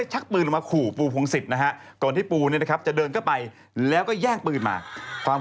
ระหว่างนั้นมีชายวัยรุ่นนะครับ